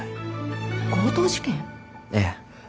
ええ。